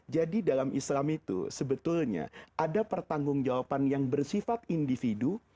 jadi dalam islam itu sebetulnya ada pertanggung jawaban yang bersifat individu